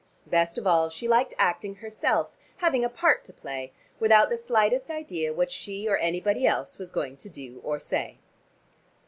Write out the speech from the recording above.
Best of all she liked acting herself, having a part to play, without the slightest idea what she or anybody else was going to do or say.